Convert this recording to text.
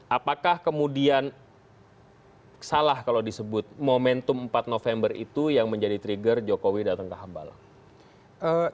apakah kemudian salah kalau disebut momentum empat november itu yang menjadi trigger jokowi datang ke hambalang